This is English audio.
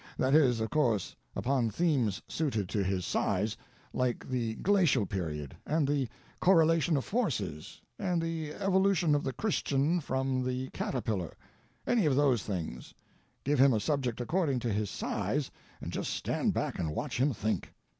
That is, of course, upon themes suited to his size, like the glacial period, and the correlation of forces, and the evolution of the Christian from the caterpillar—any of those things; give him a subject according to his size, and just stand back and watch him think!